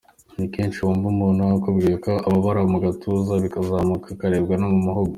Ni kenshi wumva umuntu akubwiye ko ababara mu gatuza , bikazamuka akaribwa no mu muhogo.